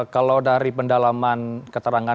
kalau dari pendalaman keterangan